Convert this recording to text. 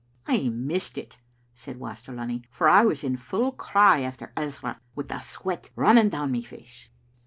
"I missed it," said Waster Lunny, "for I was in full cry after Ezra, with the sweat running down my face.